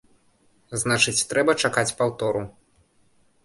Значыць, трэба чакаць паўтору.